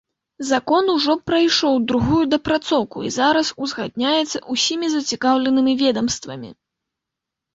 Закон ужо прайшоў другую дапрацоўку і зараз узгадняецца ўсімі зацікаўленымі ведамствамі.